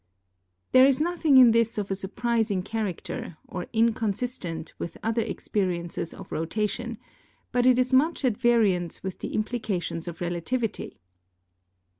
There is nothing in this of a surprising character or inconsistent with other experiences of rotation, but it is i6 ON GRAVITATION much at variance with the implications of Relativity.